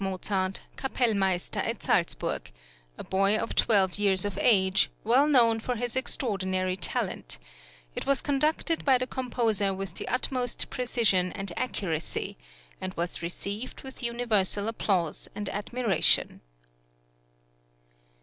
Mozart, Kapellmeister at Salzburg, a boy twelve years of age, well known for his extraordinary talent; it was conducted by the composer with the utmost precision and accuracy, and was received with universal applause and admiration.